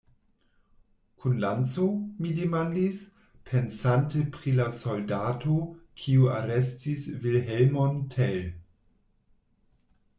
Kun lanco? mi demandis, pensante pri la soldato, kiu arestis Vilhelmon Tell.